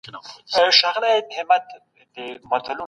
د کار درناوی څنګه کيږي؟